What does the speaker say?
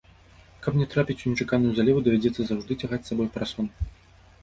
Каб не трапіць у нечаканую залеву, давядзецца заўжды цягаць з сабой парасон.